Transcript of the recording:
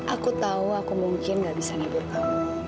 aku tahu aku mungkin nggak bisa ngibur kamu